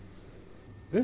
えっ？